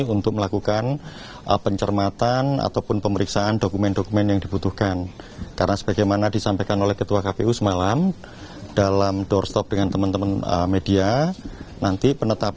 untuk mengucapkan kepentingan kpu memastikan akan tetap mengumumkan hasil pemilu dua ribu dua puluh empat pada hari ini walaupun masih ada proses rekapitulasi nasional